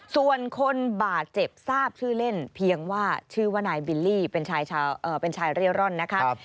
ส่วนคนบาดเจ็บทราบชื่อเล่นเพียงว่าชื่อว่านายบิลลี่เป็นชายเร่ร่อนนะคะ